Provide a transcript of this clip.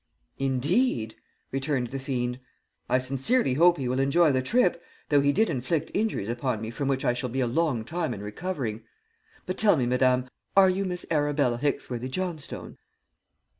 "'Indeed!' returned the fiend. 'I sincerely hope he will enjoy the trip, though he did inflict injuries upon me from which I shall be a long time in recovering. But tell me, madame, are you Miss Arabella Hicksworthy Johnstone?'